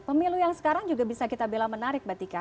pemilu yang sekarang juga bisa kita bilang menarik batika